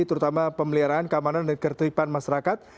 terutama pemeliharaan keamanan dan ketertiban masyarakat